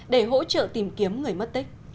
để hỗ trợ tìm kiếm người mất tích